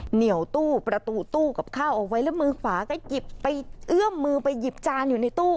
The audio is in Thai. เหนียวตู้ประตูตู้กับข้าวเอาไว้แล้วมือขวาก็หยิบไปเอื้อมมือไปหยิบจานอยู่ในตู้